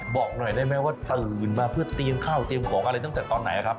บอกหน่อยได้ไหมว่าตื่นมาเพื่อเตรียมข้าวเตรียมของอะไรตั้งแต่ตอนไหนครับ